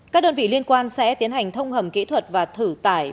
các đơn vị liên quan sẽ tiến hành thông hầm kỹ thuật và thử tải